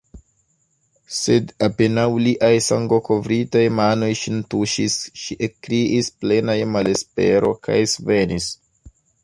Sed apenaŭ liaj sangokovritaj manoj ŝin tuŝis, ŝi ekkriis, plena je malespero, kaj svenis.